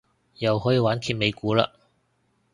又可以玩揭尾故嘞